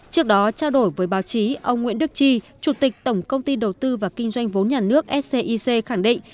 trước đó trao đổi với báo chí ông nguyễn đức chi chủ tịch tổng công ty đầu tư và kinh doanh vốn nhà nước scic khẳng định